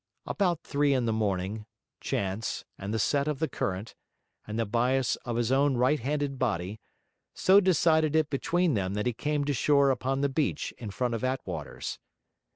About three in the morning, chance, and the set of the current, and the bias of his own right handed body, so decided it between them that he came to shore upon the beach in front of Attwater's.